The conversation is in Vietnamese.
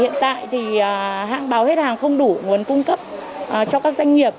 hiện tại thì hãng báo hết hàng không đủ nguồn cung cấp cho các doanh nghiệp